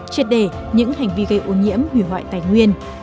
triệt đề những hành vi gây ô nhiễm hủy hoại tài nguyên